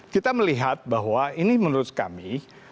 kita melihat bahwa ini menurut kami